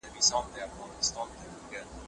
ذهني فشار د خبرو یادښت خرابوي.